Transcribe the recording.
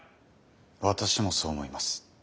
私もそう思います。